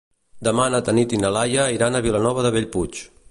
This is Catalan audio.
Demà na Tanit i na Laia iran a Vilanova de Bellpuig.